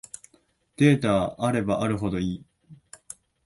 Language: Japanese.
データはあればあるほどいい